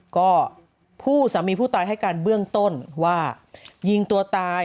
ก็ผู้สามีผู้ตายให้การเบื้องต้นว่ายิงตัวตาย